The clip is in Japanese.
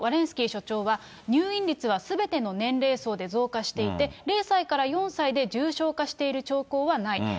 スキー所長は、入院率はすべての年齢層で増加していて、０歳から４歳で重症化している兆候はない。